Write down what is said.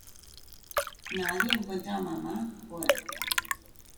Nadie encuentra a Mamá Cora.